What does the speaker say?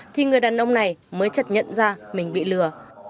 thì người đàn ông này mới chật nhận ra mình bị lừa